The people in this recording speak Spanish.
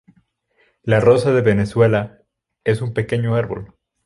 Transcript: La rosa de Venezuela es un pequeño árbol.